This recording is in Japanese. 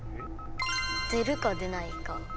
出るか出ないか。